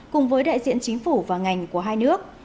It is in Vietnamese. cùng với đại diện chính phủ và ngành của hai nước